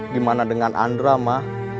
gimana dengan andra ma